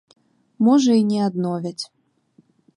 Можа і не адновяць.